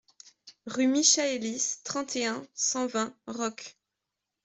Rue Michaëlis, trente et un, cent vingt Roques